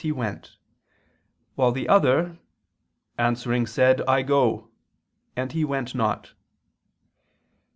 . he went," while the other "answering said: I go ... and he went not."